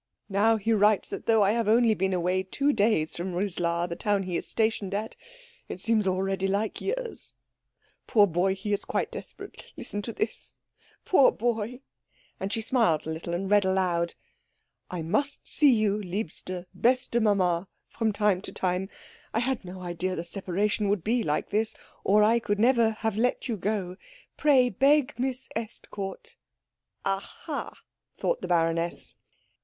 "Now he writes that though I have only been away two days from Rislar, the town he is stationed at, it seems already like years. Poor boy! He is quite desperate listen to this poor boy " And she smiled a little, and read aloud, "'I must see you, liebste, beste Mama, from time to time. I had no idea the separation would be like this, or I could never have let you go. Pray beg Miss Estcourt '" "Aha," thought the baroness.